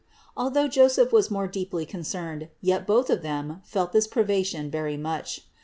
Although Joseph was more deeply concerned, yet both of them felt this privation very much.